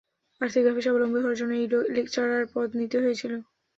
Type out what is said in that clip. আর্থিকভাবে স্বাবলম্বী হওয়ার জন্য এই লেকচারার পদ নিতে হয়েছিল।